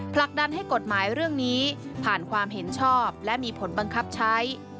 ผลักดันให้กฎหมายเรื่องนี้ผ่านความเห็นชอบและมีผลบังคับใช้